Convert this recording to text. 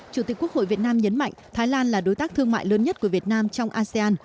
chủ tịch quốc hội việt nam nhấn mạnh thái lan là đối tác thương mại lớn nhất của việt nam trong asean